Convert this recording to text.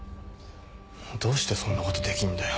どうしてそんなことできんだよ。